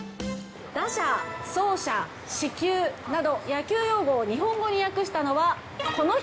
打者、走者、四球など、野球用語を日本語に訳したのは、この人。